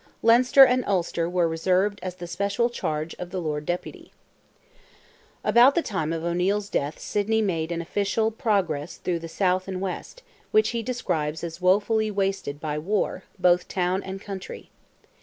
Leinster and Ulster were reserved as the special charge of the Lord Deputy. About the time of O'Neil's death Sidney made an official progress through the South and West, which he describes as wofully wasted by war, both town and country.